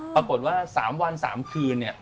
ปรากฏว่าสามวันสามคืน